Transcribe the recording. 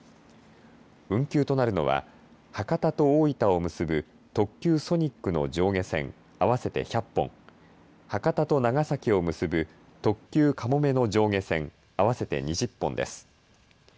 運休となるのは博多と大分を結ぶ特急ソニックの上下線合わせて１００本、博多と長崎を結ぶ特急かもめの上下線、合わせて２０本です。